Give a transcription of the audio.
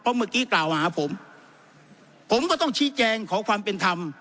เมื่อกี้กล่าวหาผมผมก็ต้องชี้แจงขอความเป็นธรรม